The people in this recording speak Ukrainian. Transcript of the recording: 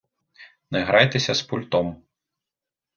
не грайтеся з пультом!